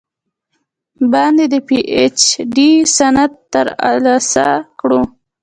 باندې د پې اي چ ډي سند تر السه کړو ۔